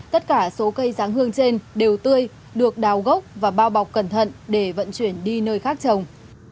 tất cả số cây giáng hương trên đều tươi được đào gốc và bao bọc cẩn thận để vận chuyển đi nơi khác trồng